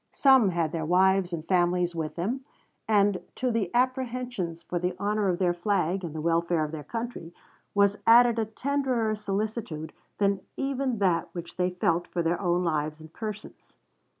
Some had their wives and families with them, and to the apprehensions for the honor of their flag, and the welfare of their country, was added a tenderer solicitude than even that which they felt for their own lives and persons.